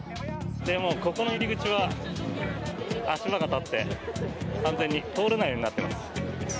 ここの入り口は足場が立って完全に通れないようになっています。